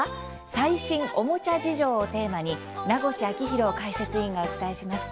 最新おもちゃ事情」をテーマに名越章浩解説委員がお伝えします。